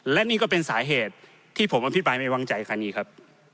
และนี่ก็เป็นสาเหตุที่ผมอภิปรายไม่วางใจคันนี้ครับ